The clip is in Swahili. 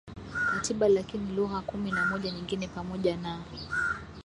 katiba lakini lugha kumi na moja nyingine pamoja na